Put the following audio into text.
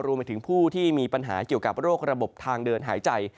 รวมไปถึงผู้ที่มีปัญหาเกี่ยวกับโรคระบบทางเดินหายใจ